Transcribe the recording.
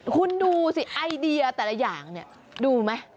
คุณดูสิไอเดียแต่ละอย่างเนี่ยดูไหม